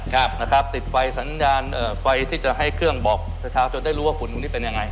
ครับนะครับติดไฟสัญญาณเอ่อไฟที่จะให้เครื่องบอกประชาชนได้รู้ว่าฝุ่นตรงนี้เป็นยังไง